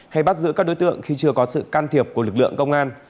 hay bắt giữ các đối tượng khi chưa có sự can thiệp của lực lượng công an